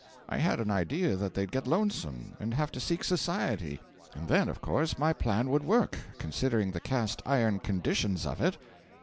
I had an idea that they'd get lonesome, and have to seek society; and then, of course, my plan would work, considering the cast iron conditions of it.